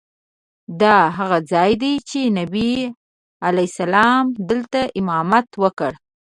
دا هغه ځای دی چې نبي علیه السلام دلته امامت وکړ.